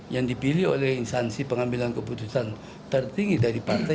yang dipilih oleh instansi pengambilan keputusan tertinggi dari partai